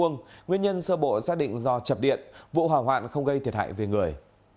nguyên nhân sơ bộ xác định do chập điện vụ hỏa hoạn không gây thiệt hại về người